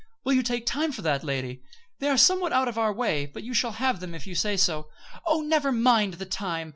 "Will you take time for that, lady? They are somewhat out of our way; but you shall have them, if you say so." "Oh! never mind the time.